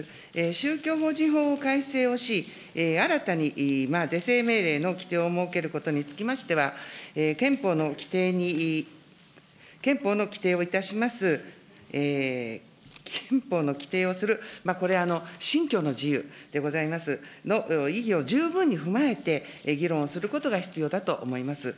宗教法人法の改正をし、新たに是正命令の規定を設けることにつきましては、憲法の規定をいたします、憲法の規定をする、これ、信教の自由でございます、の意義を十分に踏まえて、議論することが必要だと思います。